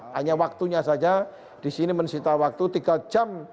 hanya waktunya saja di sini mensita waktu tiga jam